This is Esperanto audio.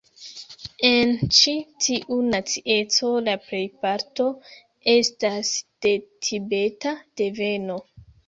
En ĉi tiu nacieco la plejparto estas de Tibeta deveno.